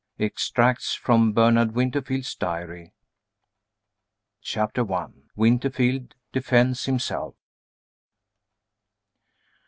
EXTRACTS FROM BERNARD WINTERFIELD'S DIARY. I. WINTERFIELD DEFENDS HIMSELF.